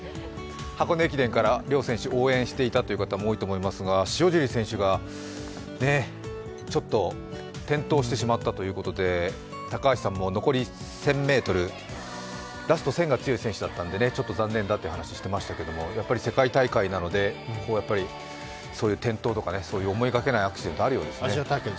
箱根駅伝から両選手応援していたという方多いと思いますが塩尻選手がちょっと転倒してしまったということで高橋さんも残り１０００ｍ、ラスト１０００が強い選手だったのでちょっと残念だという話していましたけれどもやっぱり世界大会なので、そういう思いがけないアクシデントありますよね。